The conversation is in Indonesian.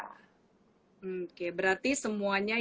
oke berarti semuanya